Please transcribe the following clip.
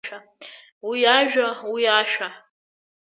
Уи ажәа, уи ашәа…